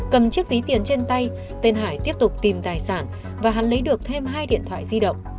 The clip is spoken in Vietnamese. cầm chiếc ví tiền trên tay tên hải tiếp tục tìm tài sản và hắn lấy được thêm hai điện thoại di động